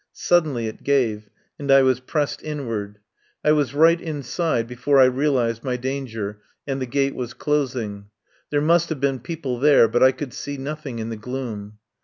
Suddenly it gave and I was pressed inward. I was right inside before I realised my dan ger, and the gate was closing. There must have been people there, but I could see noth ing in the gloom.